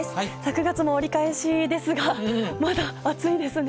９月も折り返しですが、まだ暑いですね。